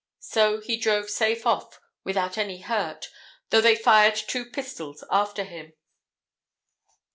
So he drove safe off without any hurt, though they fired two pistols after him.